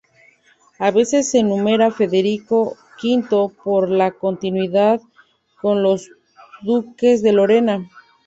A veces se numera Federico V por la continuidad con los duques de Lorena.